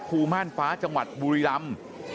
ม่านฟ้าจังหวัดบุรีรำ